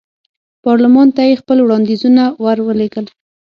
پارلمان ته یې خپل وړاندیزونه ور ولېږل.